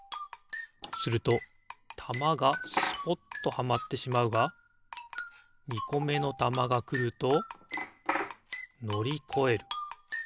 するとたまがスポッとはまってしまうが２こめのたまがくるとのりこえる。